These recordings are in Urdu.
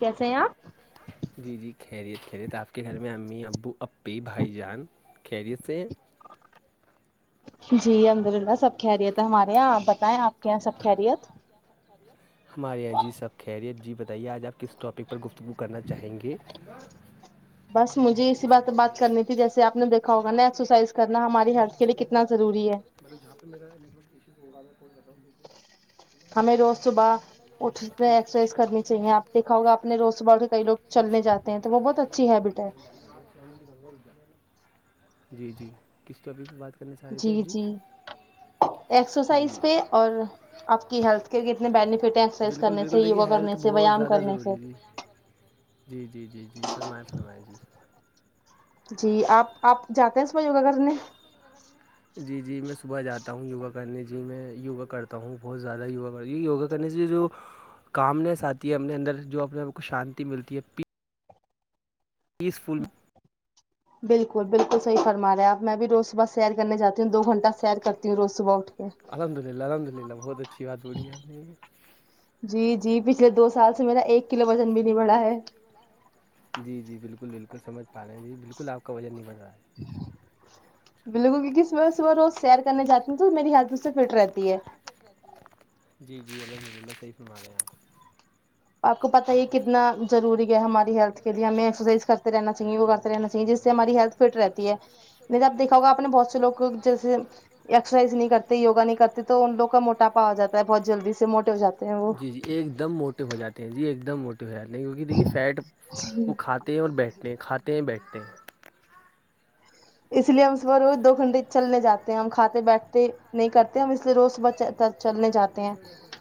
کیسے ہیں آپ جی جی خیریت خیریت آپ کے گھر میں امی ابو بے بھائی جان خیریت سے ہے جی الحمد اللہ سب خیریت ہے ہمارے یہاں آپ بتائیں آپ کے یہاں سب خیریت ہمارے یہاں جی سب خیریت جی بتائیے آج آپ کس ٹاپک پر گفتگو کرنا چاہیں گے بس مجھے اسی بات بات کرنی تھی جیسے آپ نے دیکھا ہوگا نا ایکسرسائز کرنا ہماری ہیلتھ کے لیے کتنا ضروری ہے [unintelligible] [unintelligible] ہمیں روز صبح اٹھتے ایکسرسائز کرنی چاہیے آ دیکھا ہوگا اپنے روز صبح اٹھ کے کئی لوگ چلنےجاتے ہیں تو وہ بہت اچھی ہیبٹ ہے جی جی کس تو ابھی بات کر کرنا چہرے تھے جی جی ایکسرسائز پہ اور آپ کی ہیلتھ کے کتنے بینیفٹ ہیں ایکسرسائز بالکل کرنے سے بالکل دیکھیے یوگا ہیلتھ کرنے تو سے بہت ویام زیادہ کرنے سے ضروری جی جی جی جی جی فرمائے فرمائے جی جی آپ آپ جاتے ہیں صبع یوگا کرنے جی جی میں صبح جاتا ہوں یوگا کرنے جی میں یوگا کرتا ہوں بہت زیادہ یوگا کر یوگا کرنے سے جو کامنس آتی ہے اپنے اندر جو اپنے آپ کو شانتی ملتی ہے پیس فھول بالکل بالکل صحیح فرمارے آپ میں بھی روز صبح سیر کرنے جاتی ہوں دو گھنٹہ سیر کرتی ہوں روز صبح اٹھ کے الحمد اللہ الحمد اللہ بہت اچھی بات بولی ہے آپ نے جی جی پچھلے دو سال سے میرا ایک کلو وزن بھی نہیں بڑھا ہے جی جی بالکل بالکل سمجھ پا رہے ہیں جی بالکل آپ کا وجن نہیں بن رہا ہے بالکل کی کس وجہ سےب روز سیر کرنے جاتی ہ تو میری ہیلتھ اس سے فٹ رہتی ہے ہو جی ہے [unintelligible] جی جی الحمد اللہ صحیح فرما رہے ہیں اپ آپ کو پتا یہ ہی ہے کون کتنا آپ ضروری ہے ہماری ہیلتھ کےلئے ہمیں ایکسرسائز کرتے رہنا چاہیے یوگا کرتے رہنا اپنی چاہیے جس سے کو ہماری ضروری ہیلتھ فٹ رہتی ہے آب دیکھا ہوگا ہے آپ نے بہت سے لوگ جیسے ایکسرسائز نہیں کرتے یوگا نہیں کرتے تو ان لوگ کا موٹاپا ا جاتا ہے بہت جلدی سے موٹے ہو جاتے ہیں وہ جی جی ایک دم موٹے ہو جاتے ہیں جی ایک دم موٹے ہو جاتے ہیں کیونکہ دیکھیے فیٹ جی وہ کھا تے ہیں اور بیٹھتے ہیں کھاتے ہیں بیٹھتے ہیں اس لیے ہم صبح روز دو گھنٹے چلنے جاتے ہیں ہم کھاتے بیٹھتے نہیں کرتے ہم اس لیے روز صبح چلنے جاتے ہیں جی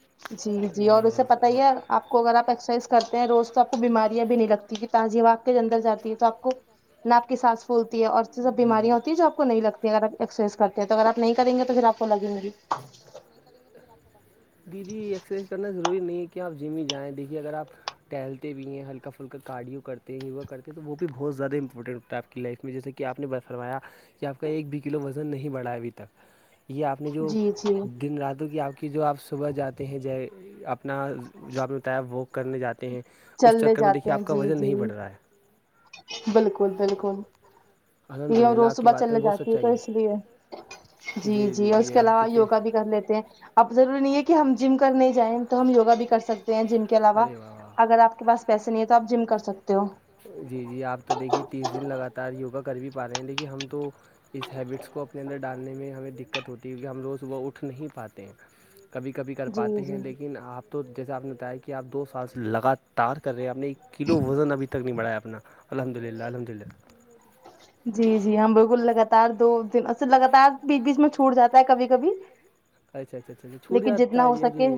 جی جی جی اور اسے پتہ ہی ہے آپ کو اگر آپ ایکسرسائز کرتے ہیں روز تو آپ کو بیماریاں بھی نہیں لگتی تازی ہوا کے اندر جاتی ہے تو آپ کو نا اپ کی سانس پھولتی ہے اور سب جی بیماریا جی ہوتی ہیں جو آپ کو نہیں لگتی اگر آپ ایکسر سائز کرتے ہیں تو اگر آپ نہیں کریں گے تو پھر آپ کو لگیں گے دیدی ایکسرسائز کرنا ضروری نہیں ہے کہ آپ جم ہی جائیں دیکھیے اگر آپ ٹہلتے بھی ہیں ہلکا پھلکا کاارڈیوں کرتے ہیں یوگا کرتے ہیں تو وہ بھی بہت زیادہ امپورٹنٹ ہوتا ہے آپ کا لائف میں جیسے کہ آپ نے ب فرمایا کہ آپ کا ایک بھی کلو وزن نہیں بڑھا ہے ابھی تک یہ آپ نے جو جی جی دن راتوں کی آپ کی جو آپ صبح جاتے ہیں جے آپ اپنا جو آپ نے بتایا وہ کرنے جاتے ہیں اس چلنے چکر میں جاتے دیکھیے ہیں آپ کا جی وزن نہیں بڑھ جی رہا ہے بالکل بالکل الحمد یہ اللہ روز آپ کی صبح بات میں چلنے بہت جاتی ہوں سچائی تو اس ہے لیے جی جی اور اس جی کے آپ علاوہ کتے یوگا بھی کر لیتے ہیں اب ضروری نہیں ہے کہ ہم جم کرنے جائیں تو ہم یوگا بھی کر سکتے ہیں جم کے علاوہ ارے واہ واہ اگر آپ کے پاس پیسے نہیں ہے تو آپ جم کر سکتے ہو جی جی آپ تو دیکھیے تیس دن لگاتار یوگا کر بھی پا رہے ہیں دیکھیے ہم تو اس ہیبٹس کو اپنے اندر ڈالنے میں ہمیں دقت ہوتی ہے کیونکہ ہم روز صبح اٹھ نہیں پاتے ہیں کبھی کبھی کر جی پاتے ہیں جی لیکن آپ تو جیسے آپ نے بتایا کہ آپ دو سال سے لگاتار کر رہے ہیں آپ نے ایک کلو وزن ابھی تک نہیں بڑھایا اپنا الحمد اللہ الحمد اللہ جی جی ہم بالکل لگاتار دو دن لگاتار بیچ بیچ میں چھوٹ جاتا ہے کبھی کبھی اچھا اچھا اچھا اچا چھوٹ لیکن جاتا جتنا ہو جی ارے سکے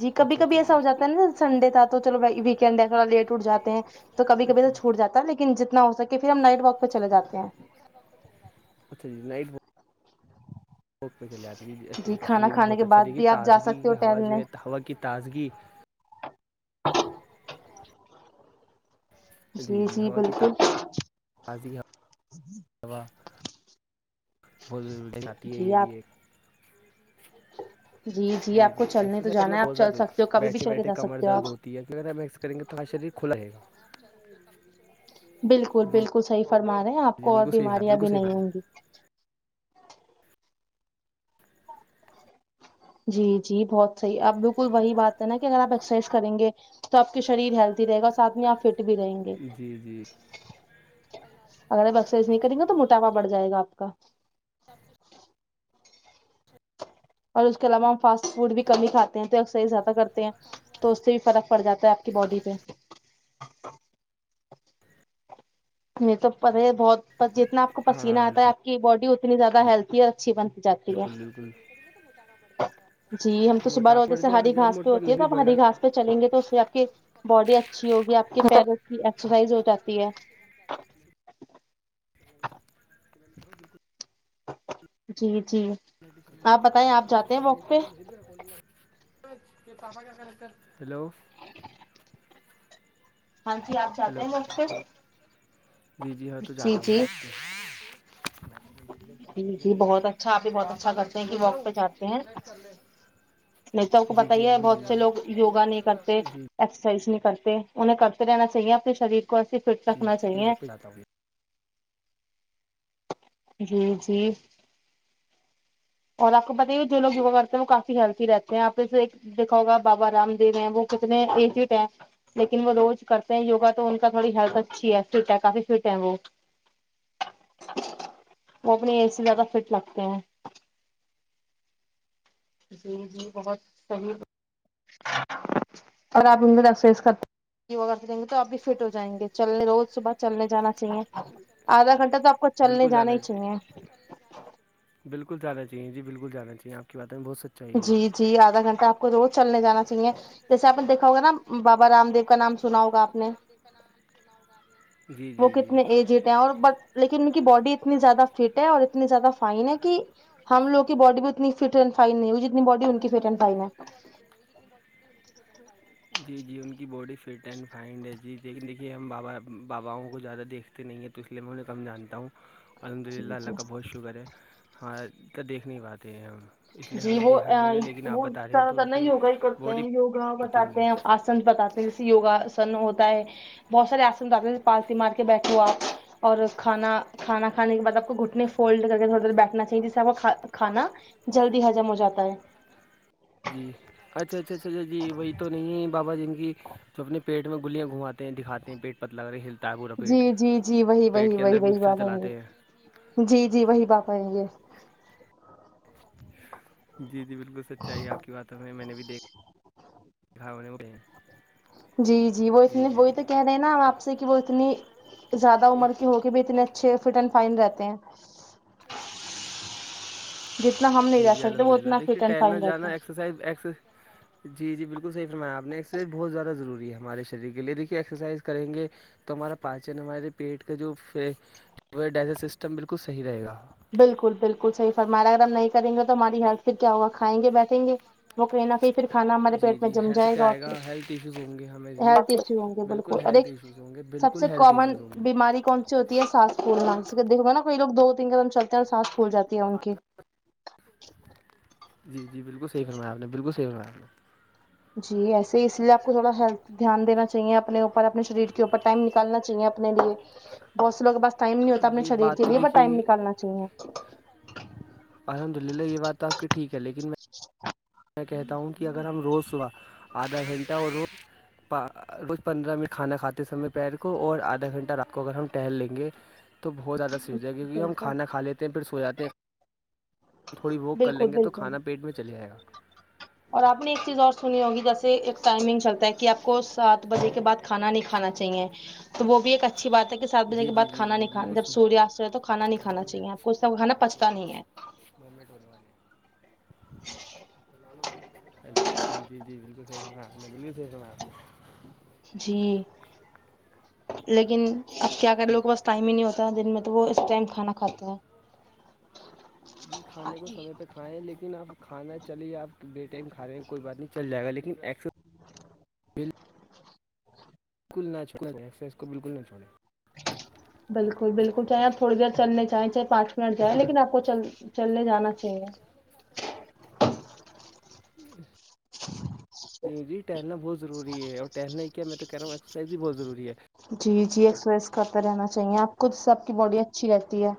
جی کبھی کبھی ایسا ہو جاتا ہے نا سنڈے تھا تو چلو بھائی ویکینڈ ہے تھوڑا لیٹ اٹھ جاتے ہیں تو کبھی کبھی تو چھوٹ جاتا ہے لیکن جتنا ہو سکے پھر ہم نائٹ واک پہ چلے جاتے ہیں اچھا جی نائٹ میں واک پے چلے جاتے جی کھانا یہ بھی کھانے بہت کے اچھا بعد دیکھی بھی آپ جا سکتے ہو تازگی ہوا جو ٹہلنے ہے ہوا کی تازگی جی جی بالکل [unintelligible] ہوا بہت ضروری آتی ہے جی یہ آپ بھی ایک جی آپ کو جی چلنے تو ایکسرسائز جانا کرنا ہے آپ بہت چل سکتے ہو ضروری کبھی بھی بیٹھے چل کے بیٹھے جا کمر سکتے ہو آپ درد ہوتی ہے [unintelligible] کریں گے تو ہمارا شریر کھلا رہے گا [unintelligible] بالکل جی بالکل صحیح فرما رہے ہیں آپ جی کو اور بالکل صحیح ہے بیماریاں بالکل بھی صحیح نہیں ہوں ہے گی جی جی بہت صحیح اب بالکل وہی بات ہے نا کہ اگر آپ ایکسرسائز کریں گے تو آپ کے شریر ہیلتی رہے گا اور ساتھ میں آپ فٹ بھی رہیں گے جی جی اگر آپ ایکسرسائز نہیں کریں گے تو موٹاپا بڑھ جائے گا آپ کا [unintelligible] اور اس کے علاوہ ہم فاسٹ فوڈ بھی کم ہی کھاتے ہیں تو ایکسرسائز زیادہ کرتے ہیں تو اس سے بھی فرق پڑھ جاتا ہے آپ کی باڈی پہ [unintelligible] بہت جتنا آپ کو پسینہ ہاں آتا ہے جی آپ کی باڈی اتنی زیادہ ہیلتی ہے اچھی بنتی جاتی ہے بالکل بالکل جی ہم تو صبح روز موٹاپا بڑھ جیسے جائے گا ہری جب گھاس پہ موٹاپا ہوتی ہے نہیں تو بھی اب بڑھے گا ہری گھاس پہ چلیں گے تو اس سے آپ کی باڈی اچھی ہوگی آپ کے پیروں کی ایکسرسائز ہو جاتی ہے جی جی آپ بتائیں آپ جاتے ہیں واک پہ [unintelligible] تیرے پاپا کیا کرتے ہے ہیلو ہاں جی آپ جاتے ہیلو ہیں واک پہ جی جی ہاں تو جاتا ہوں واک پے جی جی بہت اچھا آپ ہی بہت اچھا کرتے ہیں کہ واک پہ جاتے ہیں کو جی جی بتایئے الحمد بہت سے لوگ للہ یوگا نہیں کرتے جی ایکسرسائز نہیں کرتے انہیں کرتے رہنا چاہیے اپنے شریر کون سی پھر جی میں جی جی اور آپ کو بتائیے جو لوگ یوگا کرتے ہیں وہ کافی ہیلتی رہتے ہیں آپ میں سے ایک دیکھا ہوگا بابا رام دیو ہیں وہ کتنے ایجڑ ہیں لیکن وہ روز کرتے ہیں یوگا تو ان کا تھوڑی ہیلت اچھی ہے فٹ ہے کافی فٹ ہیں وہ وہ اپنی ایج زیادہ فٹ لگتے ہیں جی جی بہت صحیح اور آپ بھی ایکسرسائز کرتے رہیں گے تو آپ بھی فٹ ہو جائیں گے چلنے روز صبح چلنے جانا چاہیے آدھا گھنٹہ تو آپ کو چلنے بالکل جانا ہی چاہیے بالکل جانا چاہے جی بالکل جانا چایے آپ کی باتوں میں بہت سچ جی جی آدھا گھنٹہ آپ کو روز چلنے جانا چاہیے جیسے آپ نے دیکھا ہوگا نا بابا رام دیو کا نام سنا ہوگا آپ بابا نے رام دیو کا نام سنا ہوگا آپ نے وہ کتنے ایجڈ ہیں اور ب لیکن ان کی باڈی اتنی زیادہ فٹ ہے اور اتنی زیادہ فائن ہے کہ ہم لوگ کی باڈی بھی اتنی فٹ اینڈ فائن نہیں ہو وہ جتنی بڈی ان کی فٹ اینڈ فائن ہے [unintelligible] [inaudible] جی جی ان کی باڈی فٹ اینڈ فائنڈ ہے جی لیکن دیکھیے ہم بابا باباؤں کو زیادہ دیکھ نہیں ہے تو اس لیے میں انہیں کم جانتا ہوں الحمد جی للہ اللہ جی کا بہت شکر ہے ہمارے دیکھ نہیں پاتے ہیں ہم اس لیے ہم جی نے وہ دیکھا نہیں انہیں لیکن آپ وہ بتا رہے ہیں زیادہ تو ان تر نا کی یوگا ہی کرتے باڈی ہیں یوگا ہوتی بتاتے ہوگی ہیں آسن بتاتے ہیں جیسے یوگا آسن ہوتا ہے بہت سار آسن بتاتے ہیں جیے پالسی مار کے بیٹھےہو آپ اور کھانا کھانا خانے کے باد آپ کو گھٹنے فولڈ کر کے تھوڑی دیر بھٹنا چاہیے جیسا آپ کو کھانا جلدی ہجم ہو جاتا ہے جی اچھا اچھا اچھا اچا جی وہی تو نہیں ہے بابا جن کی تو اپنے پیٹ میں گلیاں گھماتے ہیں دکھاتے ہیں پیٹ پت لگ نہیں ہلتا ہے پورا پیٹ جی جی جی وہی پیٹ وہی کے وہی اندر وہی مکسر بات چلاتے ہیں ہے جی جی وہی بات آئیں گے جی جی بالکل سچائی آپ کی باتوں میں میں نے بھی دیکھ کھا ہونے اڑے جی جی وہ اتنی وہی تو کہہ رہے ہیں نا آپ سے کہ وہ اتنی زیادہ عمر کے ہو کے بھی اتنے چھ فٹ اینڈ فائن رہتے ہیں جتنا ہم نہیں جی رہ جی سکتے الحمد وہ للہ اتنا دیکھئے فٹ اینڈ ٹہلنا فائن رہتے جانا ہیں ایکسرسائز ایکسر جی جی بلکل صحیح فرمایاآپ نے ایکرسائز بہت زیدہ ضروری ہے ہمارے شریر کے لی دیکھیے ایکسرسائز کریں گے تو ہمارا پاچن ہمارے پیٹ کا جو فے ڈئزیشن سسٹم بالکل صحیح رہے گا بالکل بالکل صحی فرمایا اگر ہم نہیں کریں گے تو ہماری ہیلت پھر کیا ہوگا کھائیں گے بیٹنگے وہ کہیں نہ کہیں پھر کھانا ہمارے جی پیٹ میں جی جم ہیلتھ جائے پہ گا آ آئے پھر ہیلتھ ایشوز ہوں گے ہمیں جی ہیلتھ ایشو ہوں گے بول بالکل اب ایک ہیلتھ ایشوز ہوں گے سب بالکل سے ہیلتھ کامن ایشوز ہوں گے بیماری کون سی ہوتی ہے سانس پھولنا دیکھو گینا کوئے لوگ دو تین قدم چلتے ہیں اور سانس پھول جاتی ہے ان کی جی جی بالکل صحی فرمایا آپ نے بالکل صحی فرمایا آپ نے جی ایسے ہی اس لیےآپ کو تھوڑا ہیلتھ دھیان دیناچاہیے اپنے اوپر اپنے شریر کے اوپر ٹائم کرنا چاہیے اپنے لیے بہت لوگ بس ٹائم نہیں نے ہوتا اپنے ارے یہ شریر کے بات تو لیے بٹ ٹائم دیکھیے نکالنا چاہیے الحمد للہ یہ بات تو آپ کی ٹھیک ہے لیکن میں میں کہتا ہوں کہ اگر ہم روز صبح آدھا گھنٹہ اور روز پا روز پندرہ منٹ کھانا کھاتے سمے پیر کو اور آدھا گھنٹہ رات کو اگر ہم ٹہل لیں گے تو بہت زیادہ سیوزے گی بھی ہم بالکل کھانا کھا لیتے ہیں پھر سو جاتے ہیں تھوڑی واک کر لیں بالکل گے تو بالکل کھانا پیٹ میں چلے جائے گا اور آپ نے ایک چیز اور سنی ہوگی جیسے ایک ٹائمنگ چلتا ہے کہ آپ کو سات بجے کے بعد کھانا نہیں کھانا چاہیے تو وہ بھی ایک اچھی بات ہے سات بجے جی کے جی باد جی کھانا جی نہیں کھانا بالکل جب سنا سوریاست ہے تو کھانا نہیں دو کھانا چاہیے آپ کو سو وہ کھانا پچتا نہیں ہے گٹ بے [unintelligible] جی جی جی بالکل صحیح فرمایا آپ بلکل فرمایا آپ نے جی لیکن اب کیا کر لوگ کے پس ٹائم ہی نہیں ہوتا دن میں تو وہ اس ٹائم کھانا کھاتے ہیں ام کھانے کو سمے پہ کھائیں لیکن اپ کھانا چلے آپ بیے ٹائم کھا رہے ہیں کوئی بات نہیں چل جائے گا لیکن ایکسرسائز اسکل نا چھوڑے اس ایکسرسائز کو بالکل نہ چھڑیں بالکل بالکل چاہے آپ تھوڑی دیر چلنے چاہیں چاہے پانچ منٹ جائیں لیکن آپ کو چل چلنے جانا چاہیے جی جی ٹہلنا بہت ضروری ہے اور ٹہلنا کیا میں تو کہہ رہا ہوں ایکسرسائز بھی بہت ضروری ہے جی جی ایکسرسائز کرتے رہنا چاہیے آپ خود سے آپ کی باڈی اچھی رہتی ہے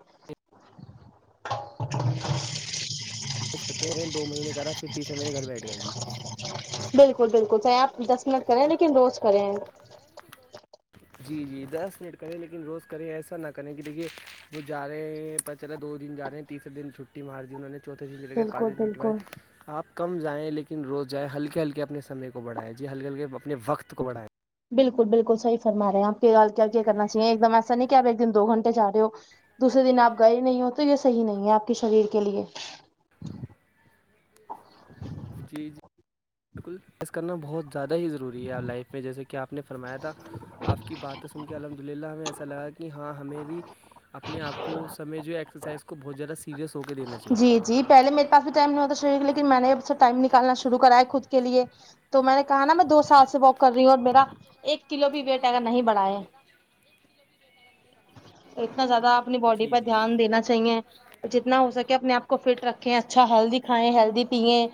[unintelligible] دو مہینے کرا تیرےہینے گھر بیٹھ گئے جی بالکل بالکل چاہے آپ دس منٹ کریں لیکن روز کریں جی جی دس منٹ کریں لیکن روز کریں ایسا نہ کریں کہ دیکھیے وہ جا رہے ہیں پتا چلا دو دن جا رہے ہیں تسرے دن چھٹی مار دی انوں نے چوتےدن بالکل پانچ میکے بعد بالکل ائے آپ کم جائیں لیکن روز جائیں ہلکے ہلکے اپنے سمے کو بڑائے جی ہلکےہلکے اپنے وقت کو بڈائے بالکل بالکل صحی فرماے ہیں آپ کے کیا کیا کرنا چاہیے ایک دم ایسا نہیں کہ آپ ایک دن دو گھنٹے جا رہے ہو دوسر دن آپ گئے نہیں ہوتے یہ صحیح نہیں ہے آپ کے شریر کے لیے جی جی بالکل گس کر نا بہت زیادہ ہی ضروری ہے لائف میں جیسے کہ آپ نے فرمایا تھا آپ کی بات سن کے الحمد للہ ہمیں ایسا لگا کہ ہاں ہمیں بھی اپنے آپ کو سمے جو ہیکسرسسید بھوت زیادہ [unintelligible] جی جی پہلے میرے پاس بھی ٹائم نہیں ہوتا شریف لیکن میں نے اب سے ٹائم نکالنا شرع کرا ہے خود کے لیے تو میں نے کہا نا میں دو سال سے واک کر رہی ہوں اور میرا ایک کلو بھی ویٹ اگر نہیں بڑھائے اتنا زیادہ اپنی باڈی جی پہ جی دھیان دینا چاہیے جتنا ہو سکے اپنے آ کو فٹ رکھیں اچھا ہیلدی کھائیں ہیلدی پییں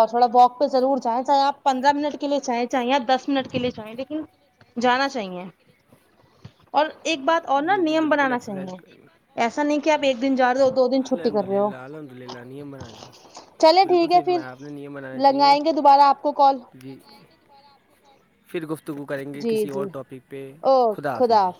اور تھوڑا واک پہ ضرور جائیں چاہیں آپ پندرہ منٹ اور کے لیے جائیں تھوڑواک پہ چاہے آپ ضرور دس چاہ منٹ چے کے لیے آپ جائیں پندرہ لیکن منٹ کے لیے چاہیںے چلے جانا آپ دس چاہیے منٹ کے لیے چلے اور ایک بات اور نا نیم بنانا ایکسرسائز چاہیے کر ایسا نہیں کہ آپ ایک دن جا رہے ہو دو دن چھٹی الحمد کر رہے ہو للہ الحمد للہ نیم بنانا چلے بالکل ٹھیک ہے صحیح پھر فرمایا آپ نے نیم بنانا چاہیے لگائیں گے دوبارہ آپ کو کال جی پھر گفتگو کریں گے جی کسی اور جی ٹاپک پہ خدا حافظ جی